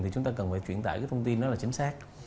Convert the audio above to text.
thì chúng ta cần phải truyền đải thông tin đó là chính xác